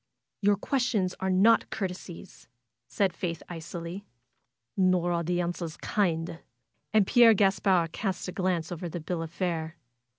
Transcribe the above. ^^Your questions are not courtesies," said Faith, icily. ''Nor are the answers kind !" And Pierre Gaspard cast a glance over the bill of fare.